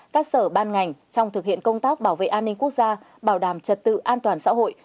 các sở ban ngành trong thực hiện công tác bảo vệ an ninh quốc gia bảo đảm trật tự an toàn xã hội